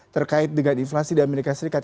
terkait dengan inflasi di amerika serikat